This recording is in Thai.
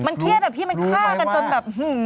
เครียดอะพี่มันฆ่ากันจนแบบ